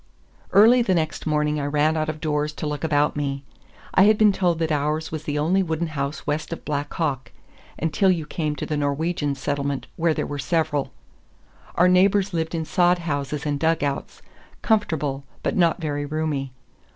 Early the next morning I ran out of doors to look about me. I had been told that ours was the only wooden house west of Black Hawk—until you came to the Norwegian settlement, where there were several. Our neighbors lived in sod houses and dugouts—comfortable, but not very roomy.